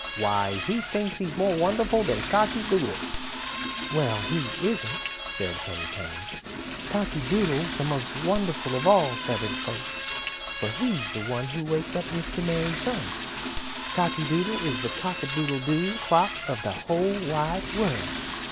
Why, he thinks he's more wonderful than Cocky Doodle." "Well, he isn't," said Henny Penny. "Cocky Doodle's the most wonderful of all the Feathered Folk, for he's the one who wakes up Mr. Merry Sun. Cocky Doodle is the cock a doodle do clock of the whole wide world.